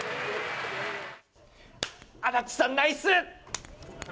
安達さん、ナイス！